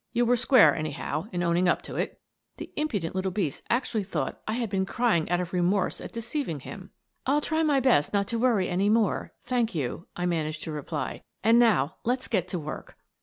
You were square, anyhow, in owning up to it." The impudent little beast actually thought I had been crying out of remorse at deceiving him !" I'll try my best not to worry any more, thank you," I managed to reply. " And now let's get to work."